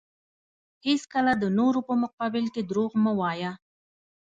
هیڅکله د نورو په مقابل کې دروغ مه وایه.